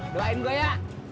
jelain gue ya